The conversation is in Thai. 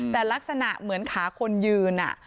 แต่ลักษณะเหมือนขาคนยืน